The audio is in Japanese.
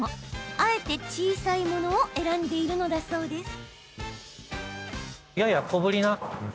あえて小さいものを選んでいるのだそうです。